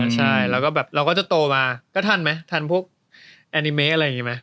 ใช่แล้วก็แบบเราก็จะโตมาก็ทันไหมทันพวกแอนิเมะอะไรอย่างนี้ไหม